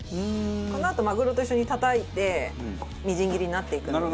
このあとマグロと一緒にたたいてみじん切りになっていくので。